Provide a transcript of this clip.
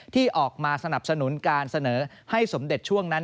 ที่ออกมาสนับสนุนการเสนอให้สมเด็จช่วงนั้น